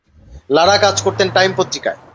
লারা কাজ করতেন টাইম পত্রিকায়।